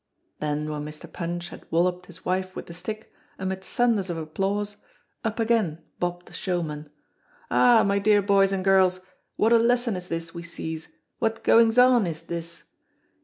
Then when Mr. Punch had wolloped his wife with the stick, amid thunders of applause, up again bobbed the showman, "Ah, my dear boys and girls, what a lesson is this we sees, what goings on is this?